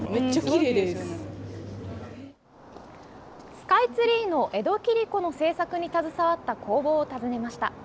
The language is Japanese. スカイツリーの江戸切子の制作に携わった工房を訪ねました。